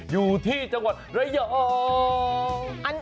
อยู่ที่จังหวัดระยอง